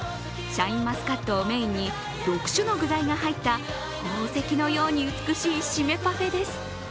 シャインマスカットをメインに６種の具材が入った宝石のように美しいシメパフェです。